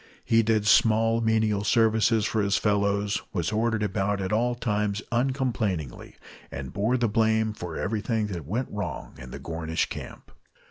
He did small menial services for his fellows, was ordered about at all times uncomplainingly, and bore the blame for everything that went wrong in the Gornish Camp.